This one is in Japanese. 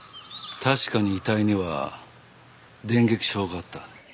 確かに遺体には電撃傷があった。